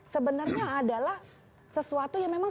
sebenarnya adalah sesuatu yang memang